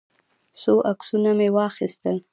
څو عکسونه مې واخیستل.